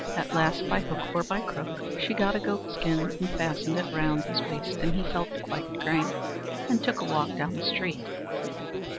At last, by hook or by crook, she got a goat skin, and fastened it round his waist, and he felt quite grand, and took a walk down the street.